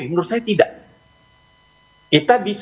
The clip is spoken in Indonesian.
dia melakukan tindakan tidak etis